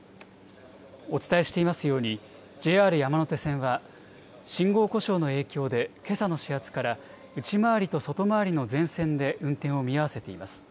お伝えしていますようにＪＲ山手線は信号故障の影響でけさの始発から内回りと外回りの全線で運転を見合わせています。